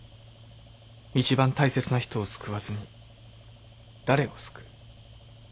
いちばん大切な人を救わずに誰を救う。